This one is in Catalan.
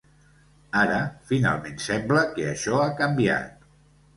Ara, finalment, sembla que això ha canviat.